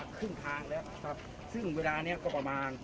ซึ่งเวลานี้ก็ประมาณ